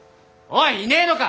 おいいねえのか！